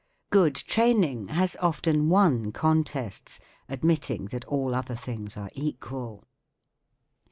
Good training has often won contests, admitting that all other things arc equal.